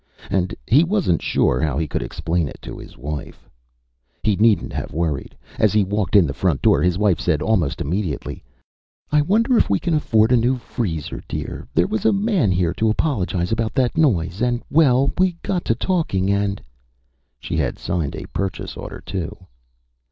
And he wasn't sure how he could explain it to his wife. He needn't have worried. As he walked in the front door, his wife said almost immediately, "I wonder if we can't afford a new freezer, dear. There was a man here to apologize about that noise and well, we got to talking and " She had signed a purchase order, too.